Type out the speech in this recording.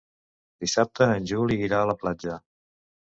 Dissabte en Juli irà a la platja.